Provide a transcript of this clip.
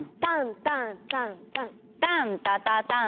タンタタタタタン。